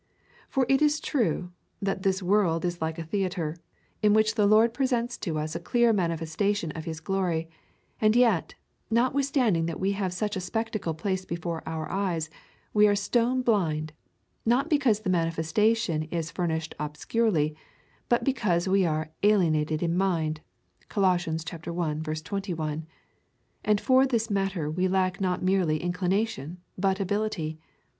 For it is true, that this world is like a theatre, in which the Lord presents to us a clear manifes tation of his glory, and yet, notwithstanding that we have such a spectacle placed before our eyes, we are stone blind, not because the manifestation is furnished obscurely, but because we are alienated in mind, (Col. i. 21,) and for this matter we lack not merely inclination but ability.